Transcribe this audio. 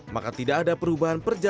maka tidak ada perubahan